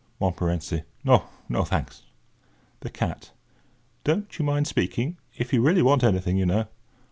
MONTMORENCY: "No—no, thanks." THE CAT: "Don't you mind speaking, if you really want anything, you know."